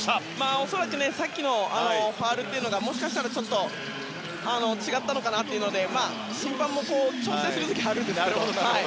恐らくさっきのファウルというのがもしかしたら違ったのかなということで審判も調整をする時があるんです。